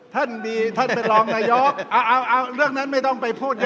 ท่านไปรองนายโยคเอาเรื่องนั้นไม่ต้องไปพูดเยอะ